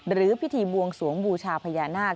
หรือพิธีบวงสวงบูชาพญานาค